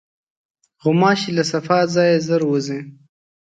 غوماشې له صفا ځایه ژر وځي.